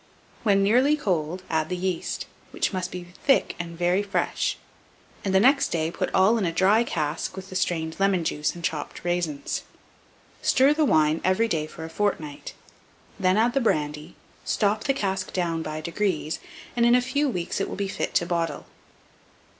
When nearly cold, add the yeast, which must be thick and very fresh, and, the next day, put all in a dry cask with the strained lemon juice and chopped raisins. Stir the wine every day for a fortnight; then add the brandy, stop the cask down by degrees, and in a few weeks it will be fit to bottle.